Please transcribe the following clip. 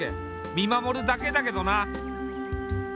見守るだけだけどな。